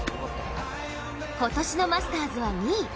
今年のマスターズは２位。